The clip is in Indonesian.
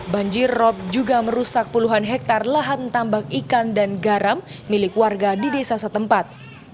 banjir rob juga merusak puluhan hektare lahan tambak ikan dan garam milik warga di desa setempat